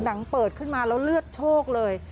เปิดขึ้นมาแล้วเลือดโชคเลย